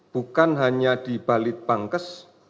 bukan hanya di balit bangkes